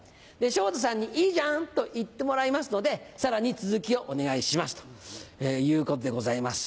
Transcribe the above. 昇太さんに「いいじゃん」と言ってもらいますのでさらに続きをお願いします」ということでございます。